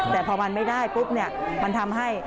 แต่พอมันไม่ได้ปุ๊บเนี่ยมันทำให้